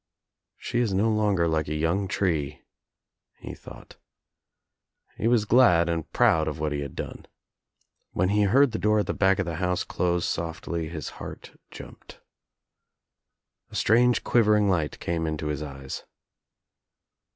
"She is no longer like a young tree," he thought. He was glad and proud of what he had done. When he heard the door at the back of the house close softly his heart jumped. A strange quivering light came , into his eyes.